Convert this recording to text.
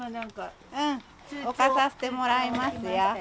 置かさせてもらいますよ。